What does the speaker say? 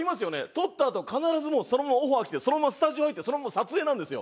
とったあと必ずもうそのままオファーきてそのままスタジオ入ってそのまま撮影なんですよ。